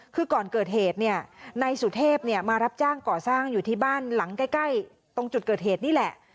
คือก่อนเกิดเหตุเนี่ยนายสุเทพมารับจ้างก่อสร้างอยู่ที่บ้านหลังใกล้ตรงจุดเกิดเหตุนี่แหละ